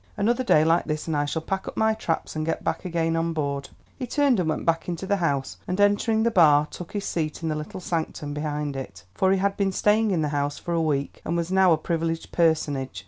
Another day like this, and I shall pack up my traps and get back again on board." He turned and went back into the house, and, entering the bar, took his seat in the little sanctum behind it; for he had been staying in the house for a week, and was now a privileged personage.